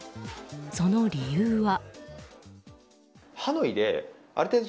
その理由は。